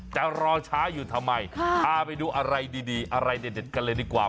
จะรอช้าอยู่ทำไมพาไปดูอะไรดีอะไรเด็ดกันเลยดีกว่า